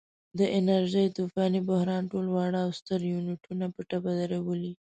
د انرژۍ طوفاني بحران ټول واړه او ستر یونټونه په ټپه درولي.